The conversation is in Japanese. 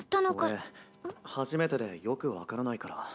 ・俺初めてで・よく分からないから。